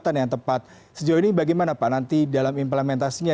dan yang tepat sejauh ini bagaimana pak nanti dalam implementasinya